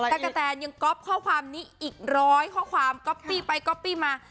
ตะกะแตนยังก๊อปข้อความนี้อีกร้อยข้อความก๊อปปี้ไปก๊อปปี้มา